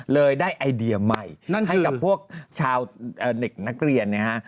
เลยได้ไอเดียใหม่ให้กับพวกชาวเด็กนักเรียนนะฮะ